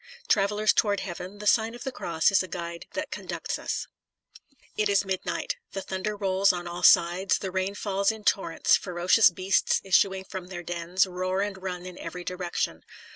TRAVELLERS TOWARDS HEAVEN, THE SIGN OF THE CROSS IS A GUIDE THAT CONDUCTS US. It is midnight; the thunder rolls on all sides, the rain falls in torrents, ferocious 271 272 The Sign of the Cross beasts issuing from their dens, roar and run in every direction.